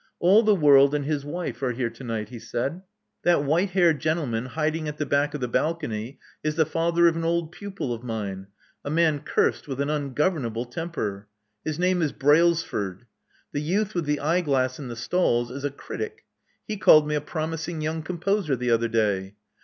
"All the world and his wife are here to night," he said. That white haired gentleman hiding at the back of the balcony is the father of an old pupil of mine — a man cursed with an ungovernable temper. His name is Brailsford. The youth with the eye glass in the stalls is a critic : he called me a promising young com poser the other day.